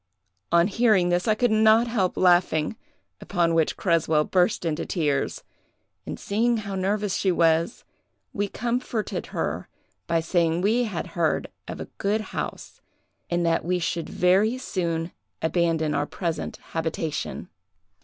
"On hearing this, I could not help laughing, upon which Creswell burst into tears; and seeing how nervous she was, we comforted her by saying we had heard of a good house, and that we should very soon abandon our present habitation.